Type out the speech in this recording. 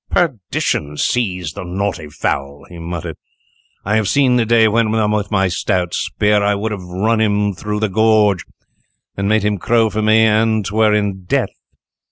"Perdition seize the naughty fowl," he muttered, "I have seen the day when, with my stout spear, I would have run him through the gorge, and made him crow for me an 'twere in death!"